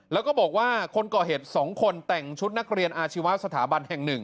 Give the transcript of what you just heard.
แล้วก็บอกว่าคนก่อเหตุ๒คนแต่งชุดนักเรียนอาชีวะสถาบันแห่ง๑